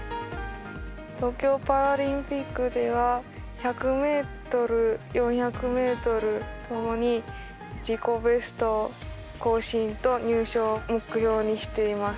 東京パラリンピックでは１００ｍ、４００ｍともに自己ベスト更新と入賞を目標にしています。